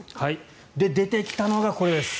で、出てきたのがこれです。